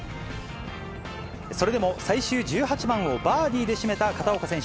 それでも最終１８番をバーディーで締めた片岡選手。